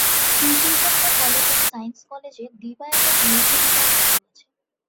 Sri Chaitanya college of science কলেজে দিবা এবং নৈশ বিভাগ চালু আছে।